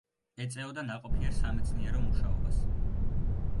ეწეოდა ნაყოფიერ სამეცნიერო მუშაობას.